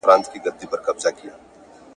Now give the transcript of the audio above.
د لويي جرګې په اړه څوک معلومات ورکوي؟